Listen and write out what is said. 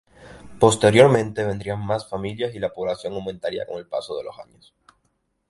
Posteriormente vendrían más familias y la población aumentaría con el paso de los años.